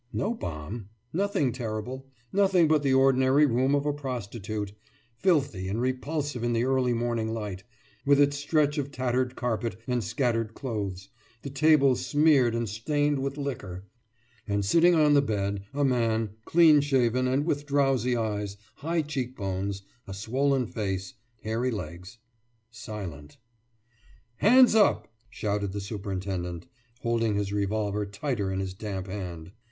No bomb nothing terrible nothing but the ordinary room of a prostitute, filthy and repulsive in the early morning light, with its stretch of tattered carpet and scattered clothes, the table smeared and stained with liquor and sitting on the bed a man, clean shaven and with drowsy eyes, high cheekbones, a swollen face, hairy legs silent. »Hands up!« shouted the superintendent, holding his revolver tighter in his damp hand.